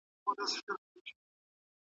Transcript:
ليکوال بايد د ټولني د نبض پېژندونکی وي.